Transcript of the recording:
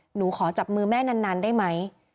หนูขอจับมือแม่นานได้ไหม